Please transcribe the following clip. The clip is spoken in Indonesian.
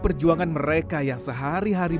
perjuangan mereka yang sehari hari